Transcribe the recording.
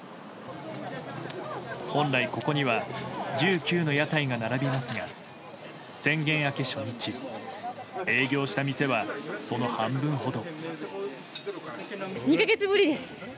本来ここには１９の屋台が並びますが宣言明け初日、営業した店はその半分ほど。